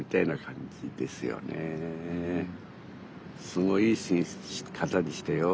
すごい方でしたよ。